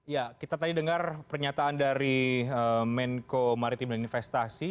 ya kita tadi dengar pernyataan dari menko maritim dan investasi